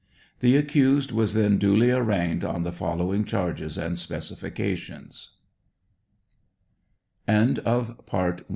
The accused was then duly arraigned on the following charges and specifica tions : CHARGES A